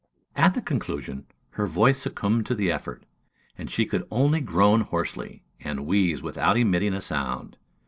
At the conclusion, her voice succumbed to the effort, and she could only groan hoarsely, and wheeze without emitting a sound.